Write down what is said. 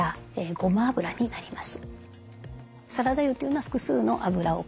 ごま油があります。